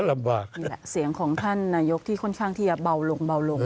นี่แหละเสียงของท่านนายกที่ค่อนข้างที่จะเบาลงเบาลง